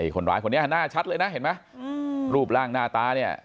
คนร้ายคนนี้หน้าชัดเลยนะเห็นไหมรูปร่างหน้าตาเนี่ย